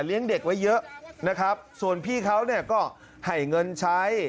เด็กไว้เยอะนะครับส่วนพี่เขาเนี่ยก็ให้เงินใช้